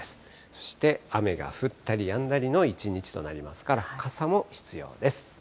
そして雨が降ったりやんだりの一日となりますから、傘も必要です。